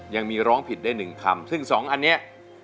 ร้องผิดได้หนึ่งคำซึ่งสองอันนี้